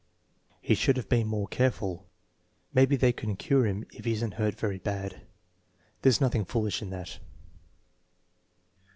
"He should have been more careful." "Maybe they can cure him if he is n't hurt very bad." "There's nothing foolish in that."